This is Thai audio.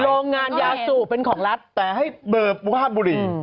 โรงงานยาสูบเป็นของรัฐแต่ให้เบอร์ภาพบุหรี่